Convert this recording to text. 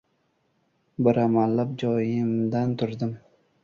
Bir amallab joyimdan turdim.